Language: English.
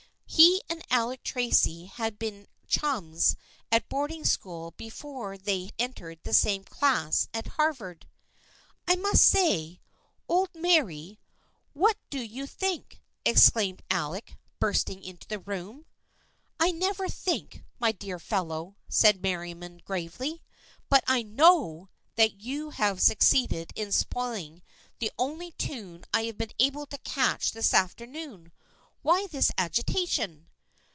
He and Alec Tracy had been chums at boarding school before they entered the same class at Harvard. "I say, old Merry, what do you think?" ex claimed Alec, bursting into the room. " I never think, my dear fellow," said Merriam gravely. " But I know that you have succeeded in spoiling the only tune I have been able to catch this afternoon. Why this agitation